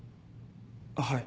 はい。